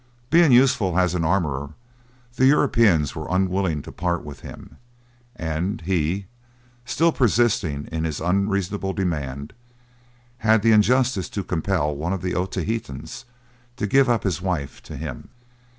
Being useful as an armourer, the Europeans were unwilling to part with him, and he, still persisting in his unreasonable demand, had the injustice to compel one of the Otaheitans to give up his wife to him.